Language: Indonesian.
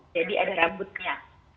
jadi ada rambutnya